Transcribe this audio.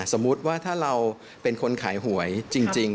สมมุติว่าถ้าเราเป็นคนขายหวยจริง